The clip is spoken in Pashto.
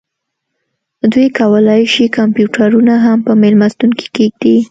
دوی کولی شي کمپیوټرونه هم په میلمستون کې کیږدي